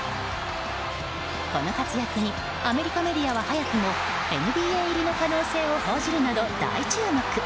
この活躍にアメリカメディアは早くもＮＢＡ入りの可能性を報じるなど大注目。